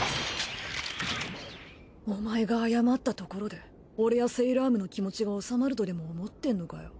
お前が謝ったところで俺やセイラームの気持ちがおさまるとでも思ってんのかよ。